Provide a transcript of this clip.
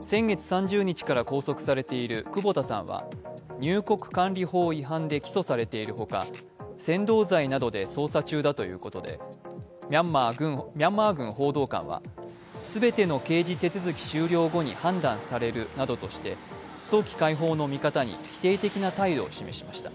先月３０日から拘束されている久保田さんは入国管理法違反で起訴されているほか、扇動罪などで捜査中だということでミャンマー軍報道官は全ての刑事手続き終了後に判断されるなどとして、早期解放の見方に否定的な態度を示しました。